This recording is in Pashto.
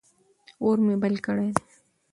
اور مې بل کړی دی.